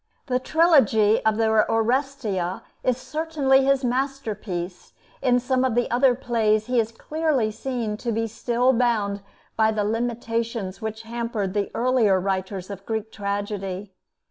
The trilogy of the 'Oresteia' is certainly his masterpiece; in some of the other plays he is clearly seen to be still bound by the limitations which hampered the earlier writers of Greek tragedy.